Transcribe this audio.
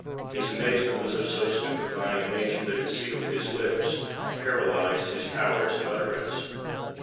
His amazement was of so stupifying a nature that it sealed his lips—paralysed his powers of utterance.